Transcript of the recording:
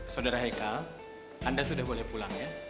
saudara hekal anda sudah boleh pulang ya